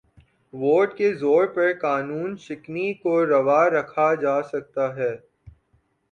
Vote کے زور پر قانون شکنی کو روا رکھا جا سکتا ہے۔